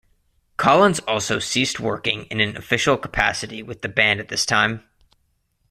Collins also ceased working in an official capacity with the band at this time.